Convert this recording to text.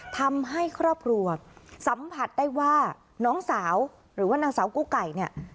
ทำให้ครอบครัวสัมผัสได้ว่าน้องสาวหรือว่านางสาวกู้ไก่เนี่ย